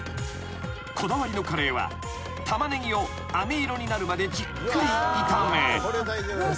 ［こだわりのカレーはタマネギをあめ色になるまでじっくり炒め］